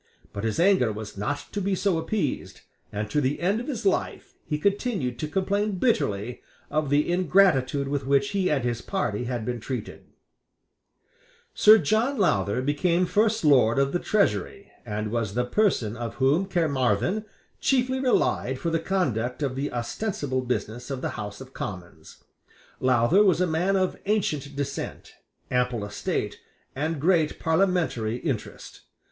But his anger was not to be so appeased; and to the end of his life he continued to complain bitterly of the ingratitude with which he and his party had been treated, Sir John Lowther became First Lord of the Treasury, and was the person on whom Caermarthen chiefly relied for the conduct of the ostensible business of the House of Commons. Lowther was a man of ancient descent, ample estate, and great parliamentary interest.